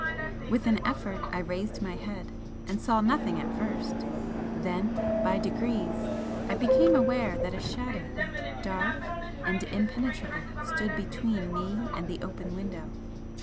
With an effort, I raised my head, and saw nothing at first then, by degrees, I became aware that a Shadow, dark and impenetrable, stood between me and the open window.